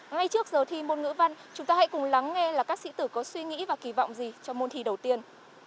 ngay trước giờ thi môn ngữ văn chúng ta hãy cùng lắng nghe là các sĩ tử có suy nghĩ và kỳ vọng gì cho môn thi đầu tiên